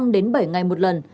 năm đến bảy ngày một lần